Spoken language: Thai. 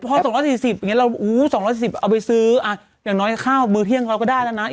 พอสองร้อยสี่สิบอย่างเงี้ยเราอู๋สองร้อยสี่สิบเอาไปซื้ออ่ะอย่างน้อยข้าวมือเที่ยงเราก็ได้แล้วนะ